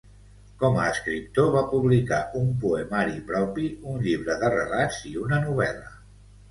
Com a escriptor va publicar un poemari propi, un llibre de relats i una novel·la.